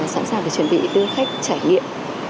sẵn sàng để chuẩn bị đưa khách trải nghiệm